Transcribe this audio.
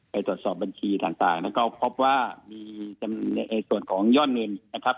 ไปตรวจสอบบัญชีต่างแล้วก็พบว่ามีจำนวนยอดเงินนะครับ